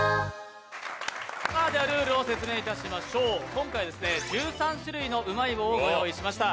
今回１３種類のうまい棒をご用意しました。